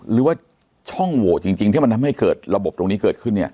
หรือว่าช่องโหวทจริงที่มันทำให้ระบบตรงนี้เกิดขึ้น